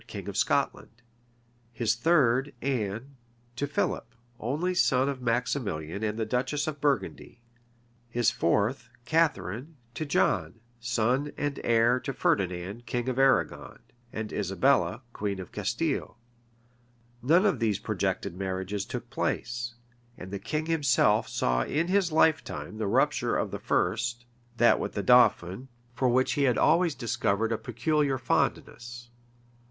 king of Scotland; his third, Anne, to Philip, only son of Maximilian and the duchess of Burgundy; his fourth, Catharine, to John, son and heir to Ferdinand, king of Arragon, and Isabella, queen of Castile.[*] None of these projected marriages took place; and the king himself saw in his lifetime the rupture of the first, that with the dauphin, for which he had always discovered a peculiar fondness.